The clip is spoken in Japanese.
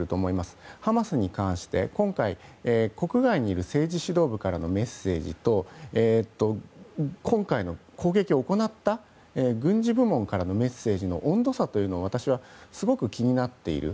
今回、ハマスに対して国外にいる政治指導部へのメッセージと今回の攻撃を行った軍事部門からのメッセージの温度差というのが私はすごく気になっている。